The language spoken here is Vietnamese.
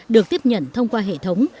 được tiếp nhận thông qua hệ thống